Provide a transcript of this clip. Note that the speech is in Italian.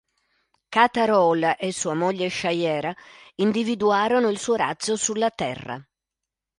Katar Hol e sua moglie Shayera individuarono il suo razzo sulla Terra.